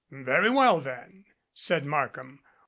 "Very well then," said Markham.